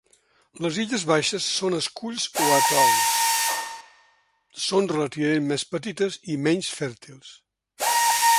Les illes baixes són esculls o atols, són relativament més petites i menys fèrtils.